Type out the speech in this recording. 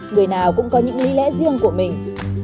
người nào cũng có những lý lẽ riêng của mình